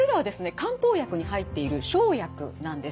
漢方薬に入っている生薬なんです。